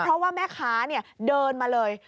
เพราะว่าแม่ค้าเดินมาเลย